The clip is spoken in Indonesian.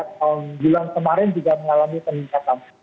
tahun bulan kemarin juga mengalami peningkatan